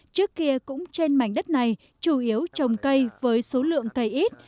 trước kia cũng trên mảnh đất này chủ yếu trồng cây với số lượng cây ít